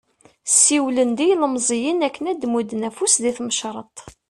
Siwlen-d i yilmeẓyen akken ad d-mudden afus di tmecreḍt.